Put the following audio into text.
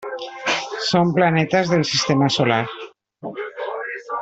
Són planetes del sistema solar: